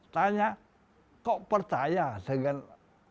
tanya kok percaya dengan adik saya